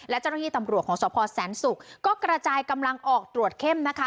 และเจ้าหน้าที่ตำรวจของสพแสนศุกร์ก็กระจายกำลังออกตรวจเข้มนะคะ